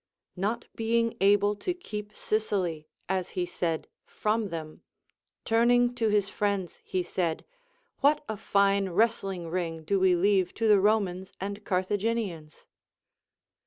Not being able to keep Sicily (as he said) from them, turning to his friends he said: A\^hat a fine wrestling ring do we leave to the Romans and Carthagi nians